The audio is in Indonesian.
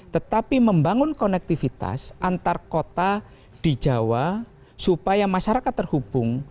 tetapi membangun konektivitas antar kota di jawa supaya masyarakat terhubung